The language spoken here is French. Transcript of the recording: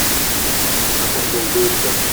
apporte en deux ou trois.